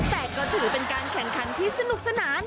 แต่ก็ถือเป็นการแข่งขันที่สนุกสนาน